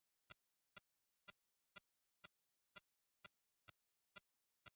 তিনি সেদিনের কথা সম্পর্কে বলেন: